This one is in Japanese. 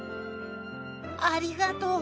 ありがとう！